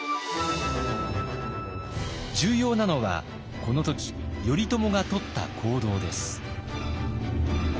重要なのはこの時頼朝がとった行動です。